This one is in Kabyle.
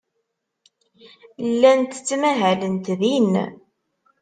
Llant ttmahalent din.